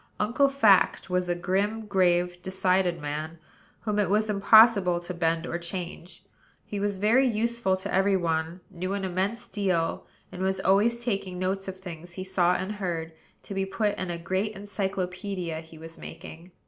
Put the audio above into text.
Uncle Fact was a grim, grave, decided man; whom it was impossible to bend or change. He was very useful to every one; knew an immense deal; and was always taking notes of things he saw and heard, to be put in a great encyclopædia he was making.